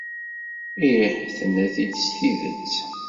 Ih, tenna-t-id s tidet.